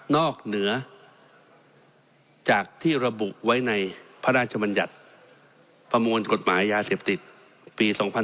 อกเหนือจากที่ระบุไว้ในพระราชบัญญัติประมวลกฎหมายยาเสพติดปี๒๕๖๒